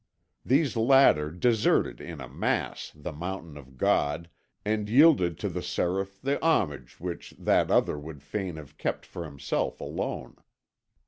These latter deserted in a mass the mountain of God and yielded to the Seraph the homage which That Other would fain have kept for himself alone.